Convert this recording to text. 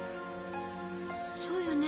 そうよね。